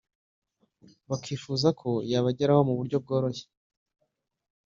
bakifuza ko yabageraho mu buryo bworoshye